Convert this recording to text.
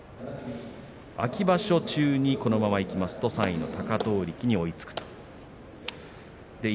秋場所中に、このままいきますと３位の貴闘力に追いつくということです。